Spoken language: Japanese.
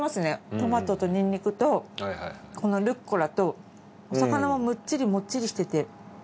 トマトとニンニクとこのルッコラとお魚はモッチリモッチリしてて。